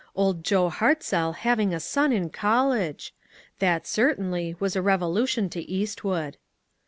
Old Joe Hartzell having a son in college! That, certainly, was a revelation to Eastwood.